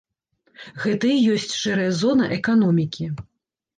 Гэта і ёсць шэрая зона эканомікі.